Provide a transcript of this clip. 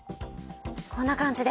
こんな感じで。